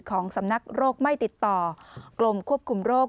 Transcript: ของสำนักโรคไม่ติดต่อกรมควบคุมโรค